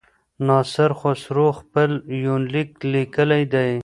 ناصر خسرو خپل يونليک ليکلی دی.